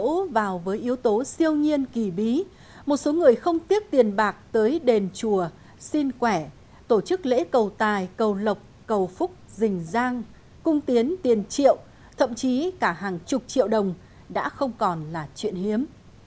đỗ vào với yếu tố siêu nhiên kỳ bí một số người không tiếc tiền bạc tới đền chùa xin quẻ tổ chức lễ cầu tài cầu lộc cầu phúc dình giang cung tiến tiền triệu thậm chí cả hàng chục triệu đồng đã không còn là chuyện hiếm